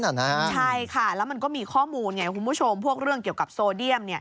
ใช่ค่ะแล้วมันก็มีข้อมูลไงคุณผู้ชมพวกเรื่องเกี่ยวกับโซเดียม